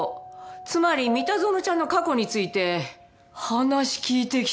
つまり三田園ちゃんの過去について話聞いてきた。